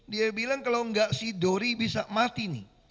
dia bilang kalau nggak si dori bisa mati nih